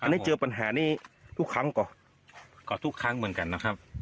ในเจ้าปัญหานี่ทุกครั้งก็ทุกครั้งเหมือนกันนะครับ